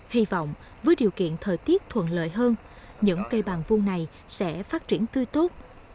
hy vọng với điều kiện thời tiết thuận lợi hơn những cây bàn vu này sẽ phát triển tươi tốt